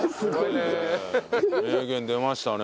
名言出ましたね